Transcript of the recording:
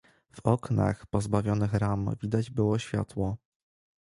"W oknach pozbawionych ram widać było światło."